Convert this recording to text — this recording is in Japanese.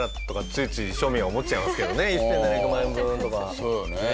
そうよね。